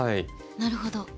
なるほど。